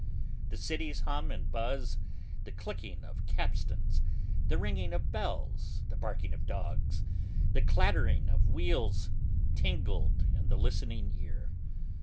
The city's hum and buzz, the clinking of capstans, the ringing of bells, the barking of dogs, the clattering of wheels, tingled in the listening ear.